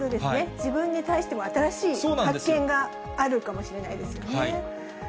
自分に対しても、新しい発見があるかもしれないですよね。